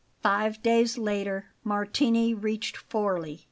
Five days later Martini reached Forli.